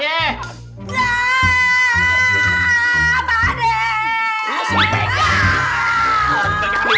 ya kelap pak d